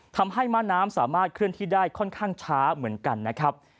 ทำให้ม้าน้ำสามารถเคลื่อนที่ได้ค่อนข้างช้าเหมือนกันนะครับ